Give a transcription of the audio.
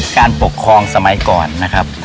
การปกครองสมัยก่อนนะครับ